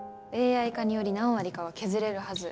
ＡＩ化により何割かは削れるはず。